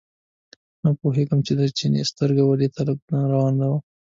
نه پوهېږم چې د چیني سترګه ولې طالب ته ورانه وه.